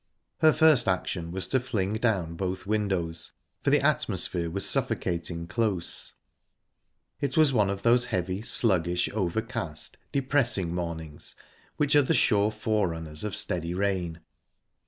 Her first action was to fling down both windows for the atmosphere was suffocating close; it was one of those heavy, sluggish, overcast, depressing mornings which are the sure forerunners of steady rain.